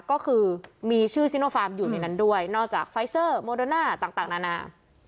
ก็คือมีชื่อซิโนฟาร์มอยู่ในนั้นด้วยนอกจากไฟเซอร์โมโดน่าต่างนานา